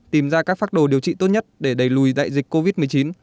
tìm ra các phác đồ điều trị tốt nhất để đẩy lùi đại dịch covid một mươi chín